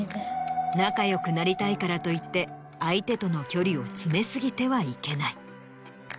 仲良くなりたいからといって相手との距離を詰め過ぎてはいけない。